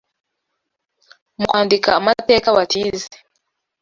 mu kwandika amateka batize